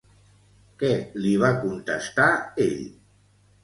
Què li va contestar ell?